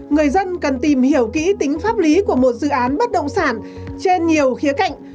người dân cần tìm hiểu kỹ tính pháp lý của một dự án bất động sản trên nhiều khía cạnh